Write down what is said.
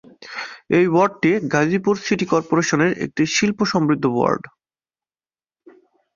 এই ওয়ার্ডটি গাজীপুর সিটি কর্পোরেশনের একটি শিল্প সমৃদ্ধ ওয়ার্ড।